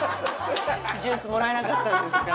ジュースもらえなかったんですか。